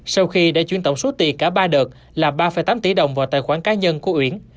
sau khi đã chuyển tổng số tiền cả ba đợt là ba tám tỷ đồng vào tài khoản cá nhân của uyển